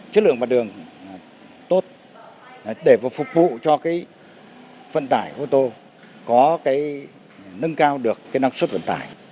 chất lượng và đường tốt để phục vụ cho cái vận tải ô tô có cái nâng cao được cái năng suất vận tải